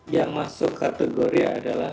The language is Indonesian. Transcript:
yang masuk kategori adalah